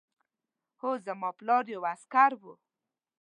هو زما پلار یو عسکر و